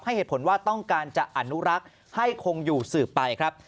เหตุผลว่าต้องการจะอนุรักษ์ให้คงอยู่สืบไปครับ